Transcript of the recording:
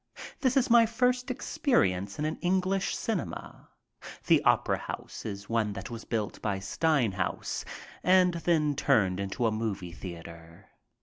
This is my first experience in an English cinema. The opera house is one that was built by Steinhouse and then turned into a movie theater.